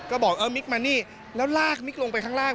ก็บอกเออมิกมานี่แล้วลากมิกลงไปข้างล่าง